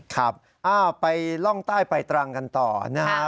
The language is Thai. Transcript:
ครับไปล่องใต้ไปตรังกันต่อนะฮะ